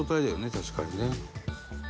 確かにね」